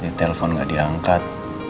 di telpon gak diangkat